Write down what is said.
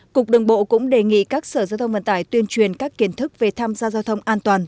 cục đường bộ cũng đề nghị các sở giao thông vận tải tuyên truyền các kiến thức về tham gia giao thông an toàn